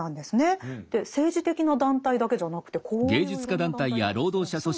政治的な団体だけじゃなくてこういういろんな団体なんですね。